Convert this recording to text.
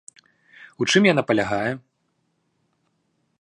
У чым яна палягае?